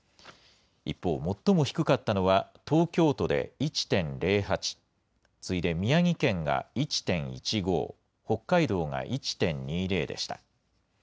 一方、最も低かったのは東京都で１．０８、次いで宮城県が１．１５、北海道が１．２０でした。